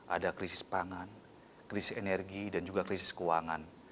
ada krisis pangan krisis energi dan juga krisis keuangan